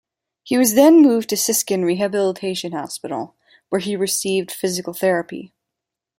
He was then moved to Siskin Rehabilitation Hospital where he received physical therapy.